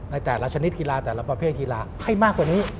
ในแต่ละชนิดกีฬาแต่ละประเภทกีฬาให้มากกว่านี้